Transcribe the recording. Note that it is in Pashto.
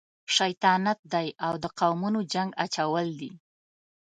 شیطانت دی او د قومونو جنګ اچول دي.